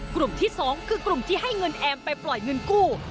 กลุ่มที่๒คือกลุ่มที่ให้เงินแอมไปปล่อยเงินกู้